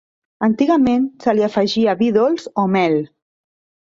Antigament se li afegia vi dolç o mel.